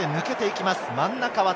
抜けていきます。